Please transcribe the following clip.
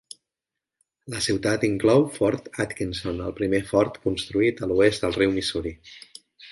La ciutat inclou Fort Atkinson, el primer fort construït a l'oest del riu Missouri.